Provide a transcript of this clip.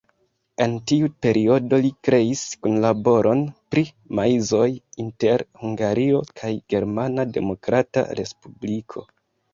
En tiu periodo li kreis kunlaboron pri maizoj inter Hungario kaj Germana Demokrata Respubliko.